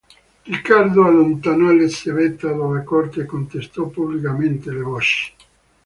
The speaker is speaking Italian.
Riccardo allontanò Elisabetta dalla corte e contestò pubblicamente le voci.